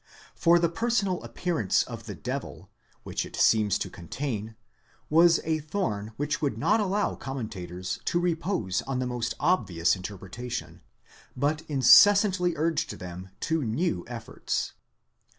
For the personal appearance of the devil, which it seems to contain, was a thorn which would not allow commentators to repose on the most obvious interpretation, but incessantly urged them to new efforts.